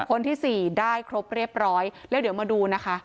คนที่สี่ได้ครบเรียบร้อยแล้วเดี๋ยวมาดูนะคะ